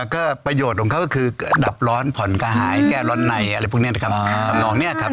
ก็ประโยชน์ของเขาก็คือดับร้อนผ่อนกระหายแก้ร้อนไหนอะไรพวกนี้นะครับ